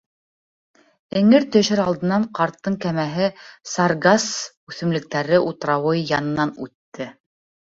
Эңер төшөр алдынан ҡарттың кәмәһе саргасс үҫемлектәре утрауы янынан үтте.